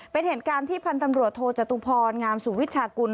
เป็นเหตุการณ์ที่พันธ์ตำรวจโทจตุพรงามสุวิชากุล